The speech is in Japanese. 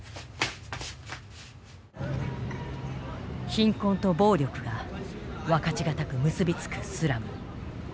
貧困と暴力が分かち難く結び付くスラム。